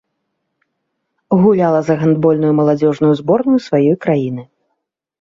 Гуляла за гандбольную маладзёжную зборную сваёй краіны.